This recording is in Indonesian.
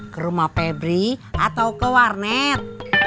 ke rumah pebri atau ke warnet